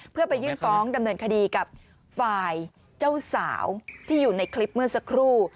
เพื่อไปยื่นฟ้องดำเนินคดีกับฝ่ายเจ้าสาวที่อยู่ในคลิปเมื่อสักครู่